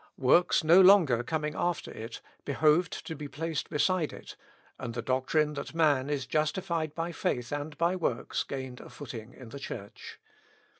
Works no longer coming after it, behoved to be placed beside it, and the doctrine that man is justified by faith and by works gained a footing in the Church.